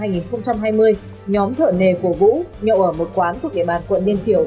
nhóm thợ nề của vũ nhậu ở một quán thuộc địa bàn quận liên triều